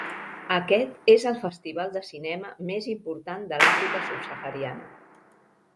Aquest és el Festival de cinema més important de l'Àfrica Subsahariana.